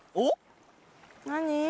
何？